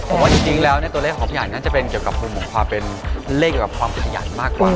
ผมว่าจริงแล้วตัวเลขของพี่อันน่าจะเป็นเกี่ยวกับมุมของความเป็นเลขเกี่ยวกับความขยันมากกว่า